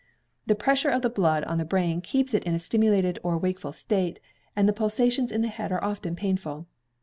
The pressure of the blood on the brain keeps it in a stimulated or wakeful state, and the pulsations in the head are often painful.